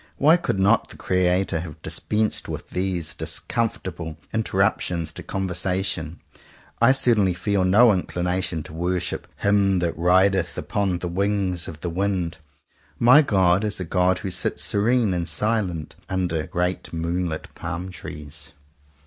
Why could not the Creator have dispensed with these discomfortable interruptions to con versation ? I certainly feel no inclination to worship "Him that rideth upon the Wings of the Wind." My God is a God who sits serene and silent, under great moon lit palm trees.